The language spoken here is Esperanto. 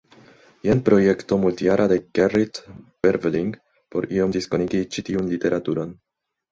Jen projekto multjara de Gerrit Berveling por iom diskonigi ĉi tiun literaturon.